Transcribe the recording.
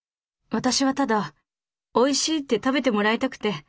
私はただおいしいって食べてもらいたくて。